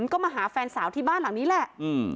ก็มาหาแฟนสาวที่บ้านหลังนี้แหละ